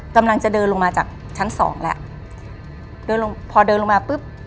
กำลังจะเดินลงมาจากชั้นสองแล้วเดินลงพอเดินลงมาปุ๊บ